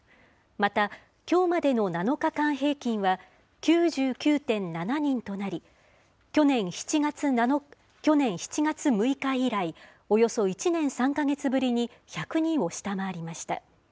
また、きょうまでの７日間平均は９９．７人となり、去年７月６日以来、およそ１年３か月ぶりに１００人を下回りました。